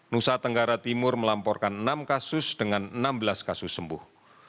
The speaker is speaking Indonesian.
nusa tenggara timur melamporkan enam kasus dengan enam belas kasus sembuh